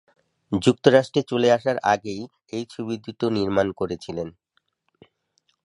যুক্তরাষ্ট্রে চলে আসার আগেই এই ছবি দুটি নির্মাণ করেছিলেন।